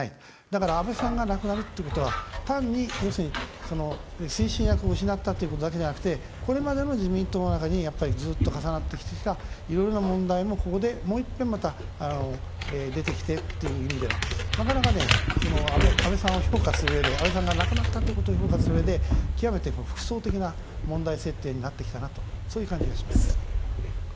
だから、安倍さんが亡くなるってことは単に要するに、推進役を失ったということだけじゃなくてこれまでの自民党の中にやっぱり、ずっと重なってきてたいろいろな問題もここで、もういっぺんまた出てきてという意味ではなかなか安倍さんを評価するうえで安倍さんが亡くなったということを評価するうえで極めて複層的な問題設定になってきたなと、そういう感じがします。